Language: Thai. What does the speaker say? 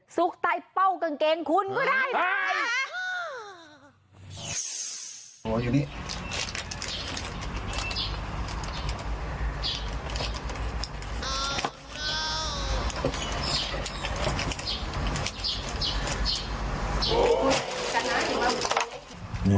กใต้เป้ากางเกงคุณก็ได้นะ